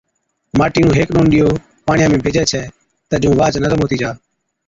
ماٽِي نُون هيڪ ڏون ڏِيئو پاڻِيان ۾ ڀيجَي ڇَي تہ جُون واهچ نرم هتِي جا،